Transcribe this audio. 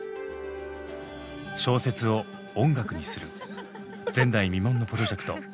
「小説を音楽にする」前代未聞のプロジェクト。